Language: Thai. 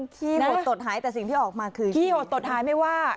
ขี้หมดตดหายแต่สิ่งที่ออกมาคือขี้หดตดหายไม่ว่า